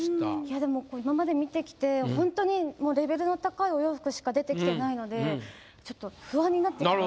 でも今まで見てきてホントにレベルの高いお洋服しか出てきてないのでちょっと不安になってきました。